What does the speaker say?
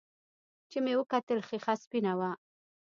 چې ومې کتل ښيښه سپينه وه.